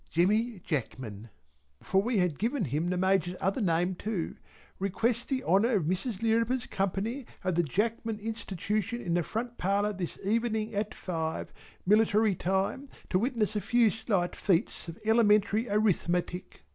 Jemmy Jackman" for we had given him the Major's other name too "request the honour of Mrs. Lirriper's company at the Jackman Institution in the front parlour this evening at five, military time, to witness a few slight feats of elementary arithmetic."